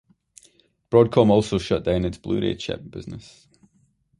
Broadcom also shut down its Blu-ray chip business.